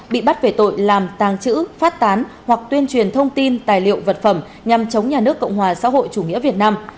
bị bắt về tội làm tàng trữ phát tán hoặc tuyên truyền thông tin tài liệu vật phẩm nhằm chống nhà nước cộng hòa xã hội chủ nghĩa việt nam